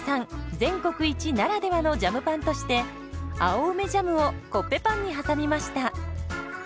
全国一ならではのジャムパンとして青梅ジャムをコッペパンに挟みました。